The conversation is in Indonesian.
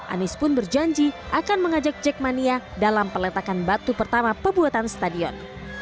anies pun berjanji akan mengajak jackmania dalam peletakan batu pertama pembuatan stadion